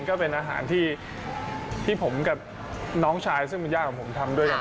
ก็เป็นอาหารที่ผมกับน้องชายซึ่งเป็นญาติของผมทำด้วยกัน